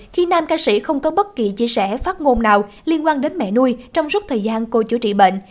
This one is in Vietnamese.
khi nam ca sĩ không có bất kỳ chia sẻ phát ngôn nào liên quan đến mẹ nuôi trong suốt thời gian cô chữa trị bệnh